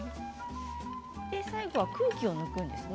最後は空気を抜くんですね。